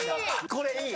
これいい！